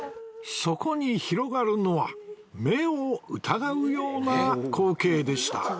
そこに広がるのは目を疑うような光景でした